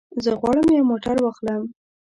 زه غواړم یو موټر واخلم.